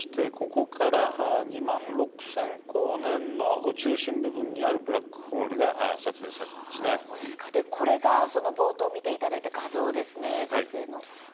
ここから２万６０００光年の中心部分にあるブラックホールがこれがその冒頭見ていただいた画像です。